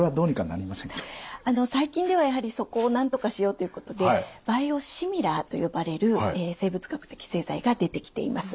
あの最近ではやはりそこをなんとかしようということでバイオシミラーと呼ばれる生物学的製剤が出てきています。